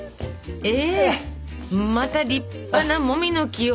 えまた立派なモミの木を。